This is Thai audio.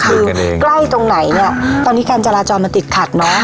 คือใกล้ตรงไหนจาราจองมันติดขัด